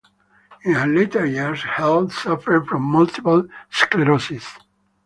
In her later years Heal suffered from multiple sclerosis.